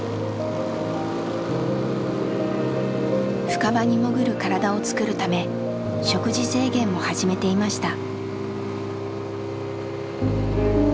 深場に潜る体をつくるため食事制限も始めていました。